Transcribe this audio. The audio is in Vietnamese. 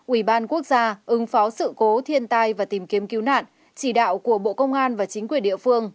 ủy ban quốc gia ứng phó sự cố thiên tai và tìm kiếm cứu nạn chỉ đạo của bộ công an và chính quyền địa phương